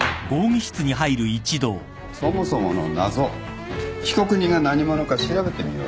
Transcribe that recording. そもそもの謎被告人が何者か調べてみよう。